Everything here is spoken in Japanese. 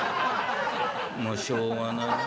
もうしょうがないわね